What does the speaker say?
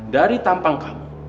dari tampang kamu